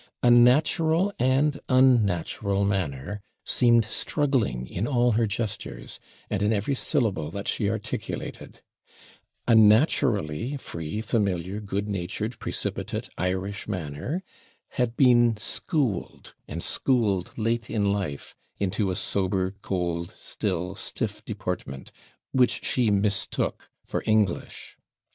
A natural and unnatural manner seemed struggling in all her gestures, and in every syllable that she articulated a naturally free, familiar, good natured, precipitate, Irish manner, had been schooled, and schooled late in life, into a sober, cold, still, stiff deportment, which she mistook for English.